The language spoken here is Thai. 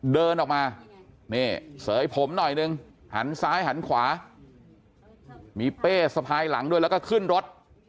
เดินออกมานี่เสยผมหน่อยนึงหันซ้ายหันขวามีเป้สะพายหลังด้วยแล้วก็ขึ้นรถ